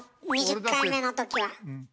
２０回目のときは！